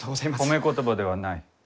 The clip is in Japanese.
褒め言葉ではない。